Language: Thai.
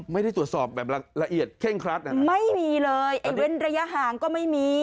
ไม่ได้ตรวจสอบแบบละเอียดเคร่งครัดอ่ะไม่มีเลยไอ้เว้นระยะห่างก็ไม่มี